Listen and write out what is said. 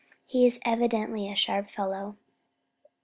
He is evidently a sharp fellow."